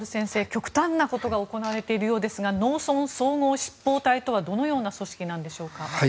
極端なことが行われているようですが農村総合執法隊とはどのような組織なんでしょうか。